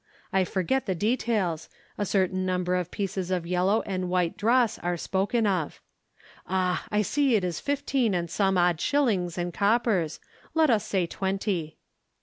I forget the details; a certain number of pieces of yellow and white dross are spoken of. Ah, I see it is fifteen and some odd shillings and coppers. Let us say twenty.